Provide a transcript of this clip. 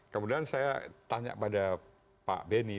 kemudian saya tanya pada pak benny